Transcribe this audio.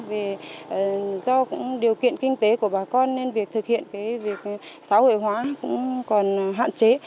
vì do cũng điều kiện kinh tế của bà con nên việc thực hiện việc xã hội hóa cũng còn hạn chế